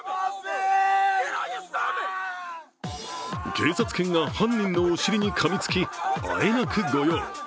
警察犬が犯人お尻にかみつきあえなく御用。